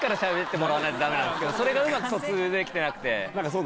それがうまく疎通できてなくて。